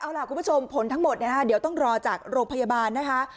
เอาล่ะคุณผู้ชมผลทั้งหมดเดี๋ยวต้องรอจากโรงพยาบาลนะคะ